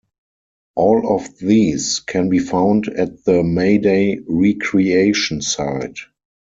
All of these can be found at the Mayday recreation site.